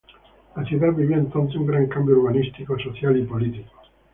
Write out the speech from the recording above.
La ciudad vivió entonces un gran cambio urbanístico, social y político.